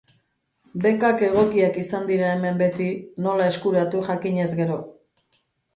Bekak egokiak izan dira hemen beti, nola eskuratu jakinez gero.